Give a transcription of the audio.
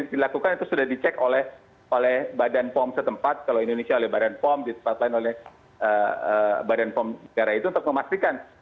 yang dilakukan itu sudah dicek oleh badan pom setempat kalau indonesia oleh badan pom di tempat lain oleh badan pom negara itu untuk memastikan